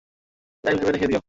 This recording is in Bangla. ভাই ভেবে রেখে দিও।